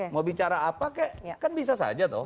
mau bicara apa kek kan bisa saja toh